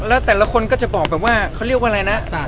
แล้วแต่ละก็จะบอกเขาเรียกว่าอะไรนะ